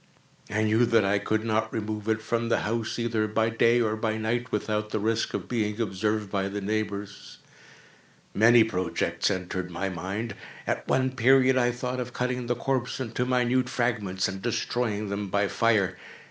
I knew that I could not remove it from the house, either by day or by night, without the risk of being observed by the neighbors. Many projects entered my mind. At one period I thought of cutting the corpse into minute fragments, and destroying them by fire.